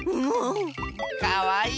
かわいい？